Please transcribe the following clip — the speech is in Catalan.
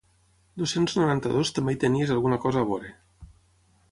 Dos-cents noranta-dos també hi tenies alguna cosa a veure.